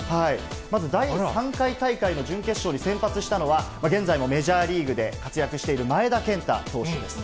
まず第３回大会の準決勝に先発したのは、現在もメジャーリーグで活躍している前田健太投手です。